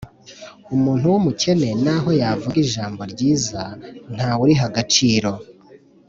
Umuntu w’umukene naho yavuga ijambo ryiza nta wuriha agaciro.